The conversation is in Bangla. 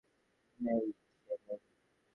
নেই, সে নেই!